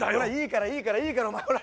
ほらいいからいいからお前ほら。